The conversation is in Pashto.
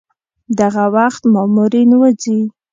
دغه وخت مامورین وځي.